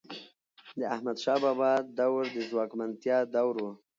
د احمدشاه بابا دور د ځواکمنتیا دور و.